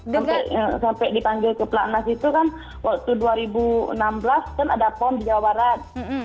sampai dipanggil ke platnas itu kan waktu dua ribu enam belas kan ada pon di jawa barat